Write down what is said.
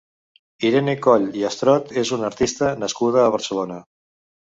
Irene Coll i Astort és una artista nascuda a Barcelona.